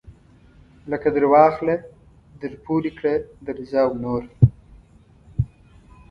لکه درواخله درپورې کړه درځه او نور.